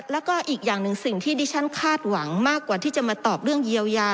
แล้วก็อีกอย่างหนึ่งสิ่งที่ดิฉันคาดหวังมากกว่าที่จะมาตอบเรื่องเยียวยา